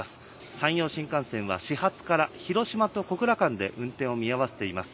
山陽新幹線は始発から、広島と小倉間で運転を見合わせています。